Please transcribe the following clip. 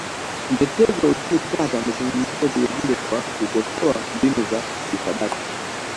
Mtetezi wa uchumi tata amezungumzia vilevile kwa kukosoa mbinu za kihisabati